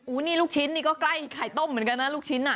นี่ลูกชิ้นนี่ก็ใกล้ไข่ต้มเหมือนกันนะลูกชิ้นอ่ะ